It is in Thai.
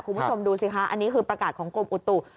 คุณผู้ชมดูสิคะอันนี้คือประกาศของกรมอุตุ